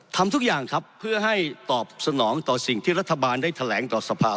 ทำทุกอย่างครับเพื่อให้ตอบสนองต่อสิ่งที่รัฐบาลได้แถลงต่อสภา